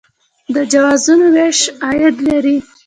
د جوازونو ویش عاید لري